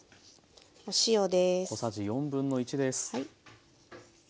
お塩です。